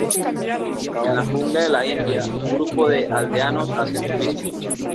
En la jungla de la India, un grupo de aldeanos hacen turismo.